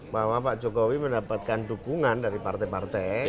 bahwa pak jokowi mendapatkan dukungan dari partai partai